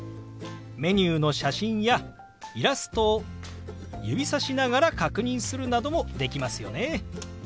メニューの写真やイラストを指さしながら確認するなどもできますよね。